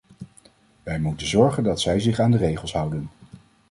Wij moeten zorgen dat zij zich aan de regels houden.